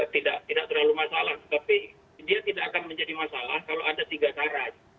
tidak terlalu masalah tapi dia tidak akan menjadi masalah kalau ada tiga syarat